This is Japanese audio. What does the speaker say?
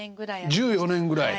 １４年ぐらい。